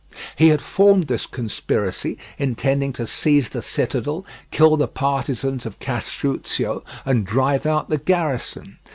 He had formed this conspiracy, intending to seize the citadel, kill the partisans of Castruccio, and drive out the garrison.